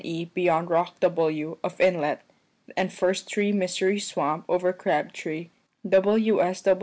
E. beyond rock W. of inlet, and first tree Misery Swamp over Crabtree, W.